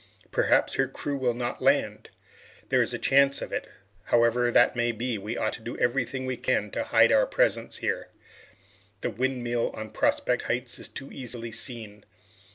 Perhaps her crew will not land. There is a chance of it. However that may be, we ought to do everything we can to hide our presence here. The windmill on Prospect Heights is too easily seen.